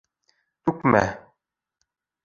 — Түкмә!